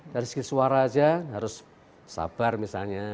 dari segi suara saja harus sabar misalnya